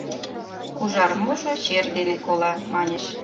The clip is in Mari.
Ужармужо чер дене кола, маньыч.